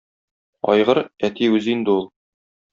Айгыр - әти үзе инде ул.